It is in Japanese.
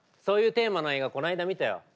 そういうテーマの映画この間見たよ。